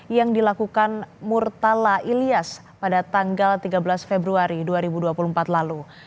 yang dilakukan murtala ilyas pada tanggal tiga belas februari dua ribu dua puluh empat lalu